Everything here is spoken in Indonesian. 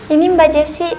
ini mbak jessy